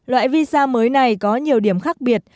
loại visa mới này có nhiều điểm khác biệt